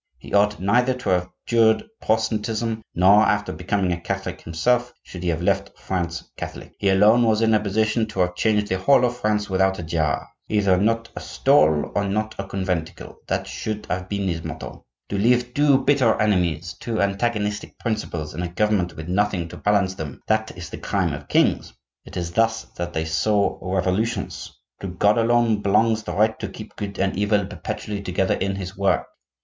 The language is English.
He ought neither to have abjured Protestantism, nor, after becoming a Catholic himself, should he have left France Catholic. He, alone, was in a position to have changed the whole of France without a jar. Either not a stole, or not a conventicle—that should have been his motto. To leave two bitter enemies, two antagonistic principles in a government with nothing to balance them, that is the crime of kings; it is thus that they sow revolutions. To God alone belongs the right to keep good and evil perpetually together in his work.